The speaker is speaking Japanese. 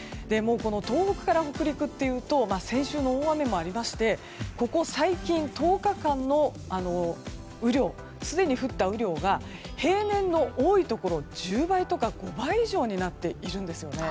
東北から北陸というと先週の大雨もありましてここ最近、１０日間の雨量すでに降った雨量が平年の多いところ、１０倍とか５倍以上になっているんです。